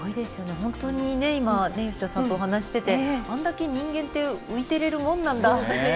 本当に吉田さんと今、お話ししていてあれだけ人間って浮いてられるものなんだっていう。